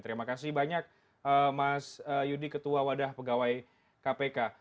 terima kasih banyak mas yudi ketua wadah pegawai kpk